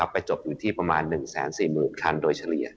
ไปจบอยู่ที่ประมาณ๑๔๐๐๐คันโดยเฉลี่ย